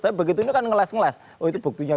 tapi begitu ini kan ngeles ngeles oh itu buktinya